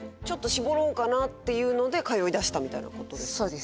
ちょっと絞ろうかなっていうので通いだしたみたいなことですか？